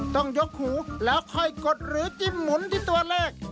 ต้องยกหูแล้วค่อยกดหรือจิ้มหมุนที่ตัวเลข